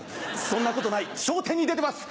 そんなことない『笑点』に出てます